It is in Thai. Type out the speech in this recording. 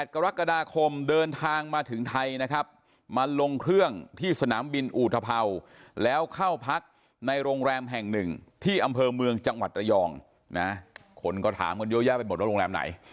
กรกฎาคมเดินทางมาถึงไทยนะครับมาลงเครื่องที่สนามบินอุทธภาวแล้วเข้าพักในโรงแรมแห่งหนึ่งที่อำเภอเมืองจังหวัดระยองนะคนก็ถามกันเยอะแยะไปหมดว่าโรงแรมไหน